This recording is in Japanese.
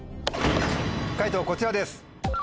解答こちらです。